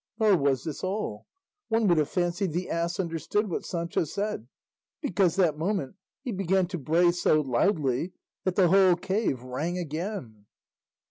Nor was this all; one would have fancied the ass understood what Sancho said, because that moment he began to bray so loudly that the whole cave rang again.